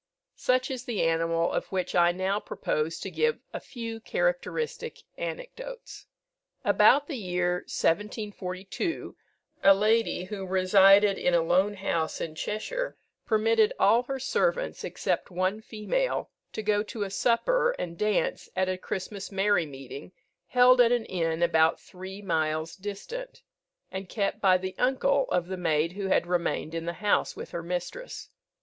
Such is the animal of which I now propose to give a few characteristic anecdotes. About the year 1742, a lady, who resided in a lone house in Cheshire, permitted all her servants, except one female, to go to a supper and dance at a Christmas merry meeting, held at an inn about three miles distant, and kept by the uncle of the maid who had remained in the house with her mistress.